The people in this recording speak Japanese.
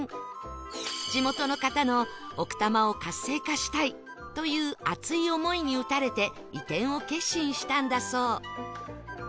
地元の方の奥多摩を活性化したい！という熱い思いに打たれて移転を決心したんだそう